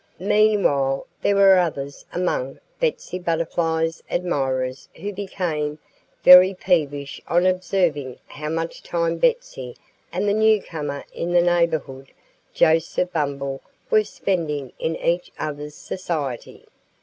Meanwhile there were others among Betsy Butterfly's admirers who became very peevish on observing how much time Betsy and the newcomer in the neighborhood, Joseph Bumble, were spending in each other's society.